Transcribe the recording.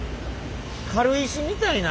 軽石みたいな。